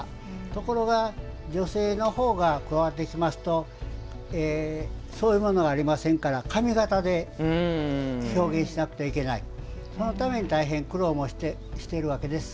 ところが、女性の方が加わってきますとそういうものがありませんから髪型で表現しなくてはいけないそのために大変苦労もしているわけです。